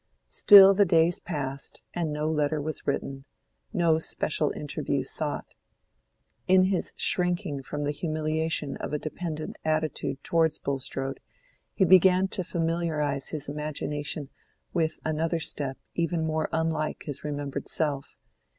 Still the days passed and no letter was written, no special interview sought. In his shrinking from the humiliation of a dependent attitude towards Bulstrode, he began to familiarize his imagination with another step even more unlike his remembered self.